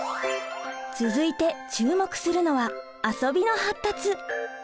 続いて注目するのは遊びの発達！